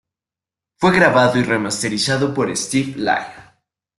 Fue grabado y remasterizado por Steve Lyon.